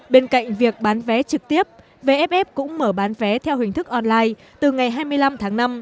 bên cạnh việc bán vé trực tiếp vff cũng mở bán vé theo hình thức online từ ngày hai mươi năm tháng năm